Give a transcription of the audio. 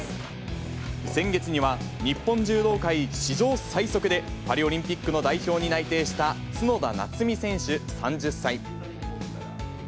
先月には、日本柔道界史上最速で、パリオリンピックの代表に内定した角田夏実選手３０歳。